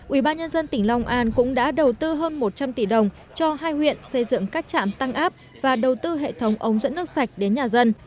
ubnd tỉnh long an cũng đã đầu tư hơn một trăm linh tỷ đồng cho hai huyện xây dựng các trạm tăng áp và đầu tư hệ thống ống dẫn nước sạch đến nhà dân